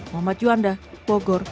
mohd juanda bogor